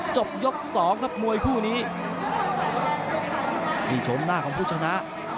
จบยกสองครับมวยคู่นี้นี่ชมหน้าของผู้ชนะ